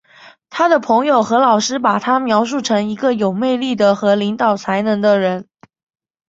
他的朋友和老师把他描述成一个有魅力的和领导才能的人。